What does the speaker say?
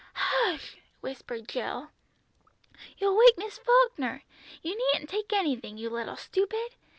"Hush," whispered Jill; "you'll wake Miss Falkner. You needn't take anything, you little stupid!